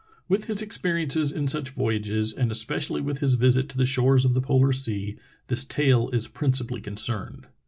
With his experi ences in such voyages, and especially with his visit to the shores of the polar sea, this tale is principally con cerned.